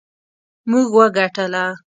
موږ وګټله